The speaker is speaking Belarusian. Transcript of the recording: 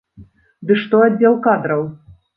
Ды што аддзел кадраў!